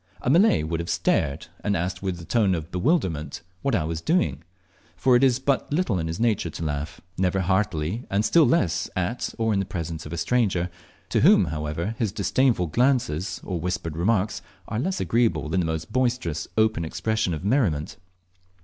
A Malay would have stared, and asked with a tone of bewilderment what I was doing, for it is but little in his nature to laugh, never heartily, and still less at or in the presence of a stranger, to whom, however, his disdainful glances or whispered remarks are less agreeable than the most boisterous open expression of merriment.